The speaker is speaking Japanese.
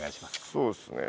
そうっすね